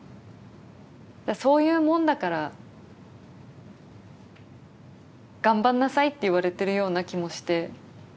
そういうもんだから頑張んなさいって言われてるような気もして。